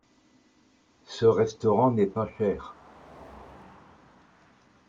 Ce restaurant n'est pas cher.